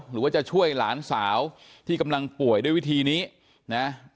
หรือว่าจะช่วยหลานสาวที่กำลังป่วยด้วยวิธีนี้นะ